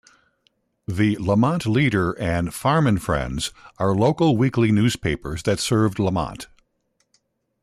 "The Lamont Leader" and "Farm 'n' Friends" are local weekly newspapers that serve Lamont.